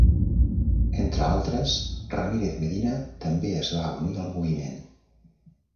Entre altres, Ramirez Medina també es va unir al moviment.